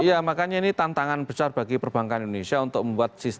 iya makanya ini tantangan besar bagi perbankan indonesia untuk membuat sistem